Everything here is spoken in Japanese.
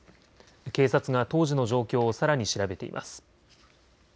警察が当時の状況をさらに調べています。